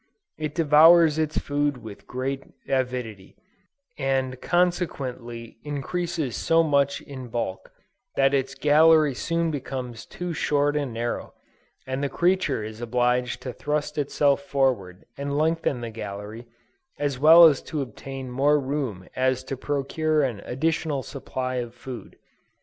It devours its food with great avidity, and consequently increases so much in bulk, that its gallery soon becomes too short and narrow, and the creature is obliged to thrust itself forward and lengthen the gallery, as well to obtain more room as to procure an additional supply of food.